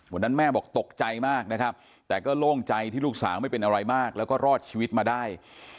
แม่บอกตกใจมากนะครับแต่ก็โล่งใจที่ลูกสาวไม่เป็นอะไรมากแล้วก็รอดชีวิตมาได้